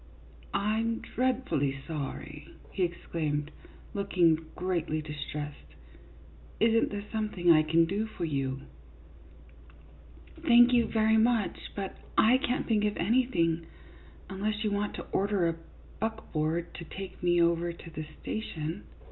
"I'm dreadfully sorry," he exclaimed, looking greatly distressed. " Is n't there something I can do for you ?" CLYDE MOORFIELD, YACHTSMAN. 55 " Thank you very much, but I can't think of any thing, unless you want to order a buckboard to take me over to the station.